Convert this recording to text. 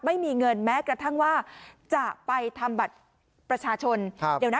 ไม่มีเงินแม้กระทั่งว่าจะไปทำบัตรประชาชนครับเดี๋ยวนะ